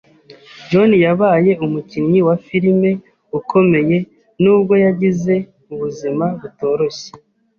Joan yabaye umukinnyi wa filime ukomeye nubwo yagize ubuzima butoroshye